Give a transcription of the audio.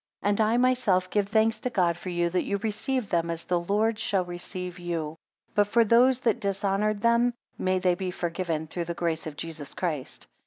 5 And I myself give thanks to God for you, that you receive them as the Lord shall receive you. But for those that dishonoured them, may they be forgiven through the grace of Jesus Christ.